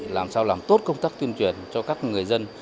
làm sao làm tốt công tác tuyên truyền cho các người dân